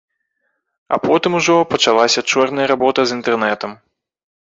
А потым ужо пачалася чорная работа з інтэрнэтам.